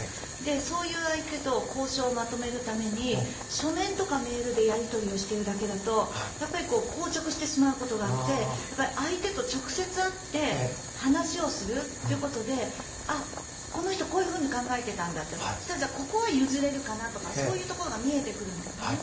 そういう相手と交渉をまとめるために書面とかメールでやり取りしているだけだど硬直してしまうことがあって相手と直接会って話をすることでこの人こういうふうに考えていたんだとじゃあ、ここは譲れるかなとかそういうところが見えてくるんですね。